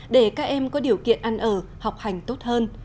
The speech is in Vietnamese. để các em có điều kiện ăn ở học hành tốt hơn